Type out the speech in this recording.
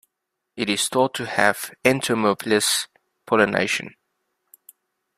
It is thought to have had entomophilous pollination.